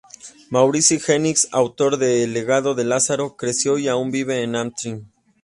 Maurice Jennings, autor de "El legado de Lázaro", creció y aún vive en Antrim.